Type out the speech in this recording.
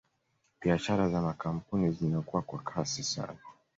Biashara za makampuni zinakua kwa kasi sana